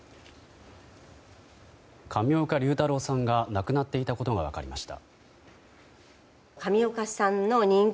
上岡龍太郎さんが亡くなっていたことが分かりました。